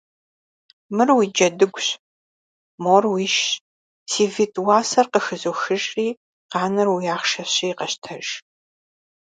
Мыр уи джэдыгущ, мор уишщ, си витӀ уасэр къыхызохыжри, къанэр уи ахъшэщи къэщтэж.